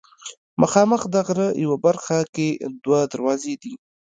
مخامخ د غره یوه برخه کې دوه دروازې دي.